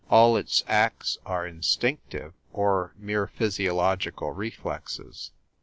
All its acts are instinctive, or mere physiological reflexes.